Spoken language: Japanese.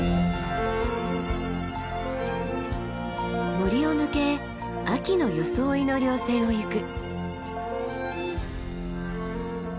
森を抜け秋の装いの稜線を行く。